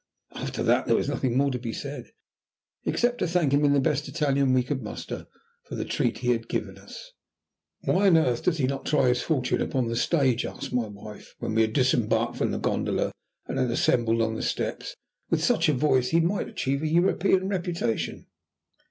After that there was nothing more to be said, except to thank him in the best Italian we could muster for the treat he had given us. "Why on earth does he not try his fortune upon the stage?" asked my wife, when we had disembarked from the gondola and had assembled on the steps. "With such a voice he might achieve a European reputation."